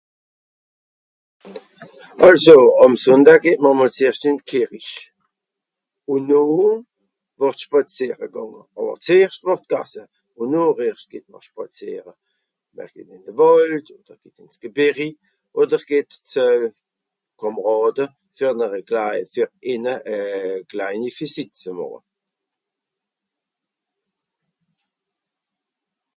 Alors le dimanche on commence par aller à l'église et après on va se promener mais seulement après avoir mangé on va en forêt, a la Montagne ou chez des camarades pour leur faire une petite visite